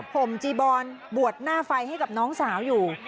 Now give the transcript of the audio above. ห่มจีบอนบวชหน้าไฟให้กับน้องสาวอยู่